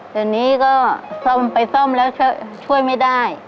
ตอนนี้ก็ซ่อมไปซ่อมแล้วช่วยไม่ได้